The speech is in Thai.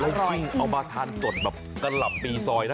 ลงที่เขามาทานจดกลับปีซอยนะ